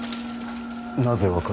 なぜ分かる。